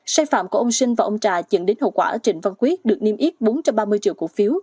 sai phạm của ông sinh và ông trà dẫn đến hậu quả trịnh văn quyết được niêm yết bốn trăm ba mươi triệu cổ phiếu